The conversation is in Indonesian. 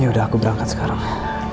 yaudah aku berangkat sekarang